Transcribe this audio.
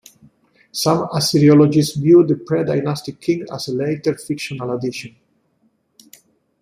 Some Assyriologists view the predynastic kings as a later fictional addition.